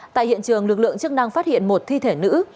tại hiện trường lực lượng chức năng phát hiện một thi thể nữ